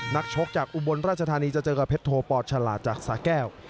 ชกจากอุบลราชธานีจะเจอกับเพชรโทปอดฉลาดจากสาแก้ว